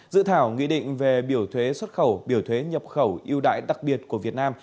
dự thảo nghị định về biểu thuế xuất khẩu biểu thuế nhập khẩu yêu đại đặc biệt của việt nam